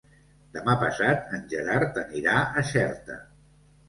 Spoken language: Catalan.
Demà passat en Gerard anirà a Xerta.